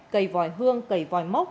cầy vòi hương cầy vòi mốc